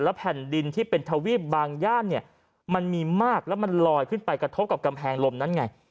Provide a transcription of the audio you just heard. แผ่นดินที่เป็นทวีปบางย่านเนี่ยมันมีมากแล้วมันลอยขึ้นไปกระทบกับกำแพงลมนั้นไง